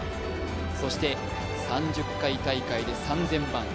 そして、３０回大会で３０００番。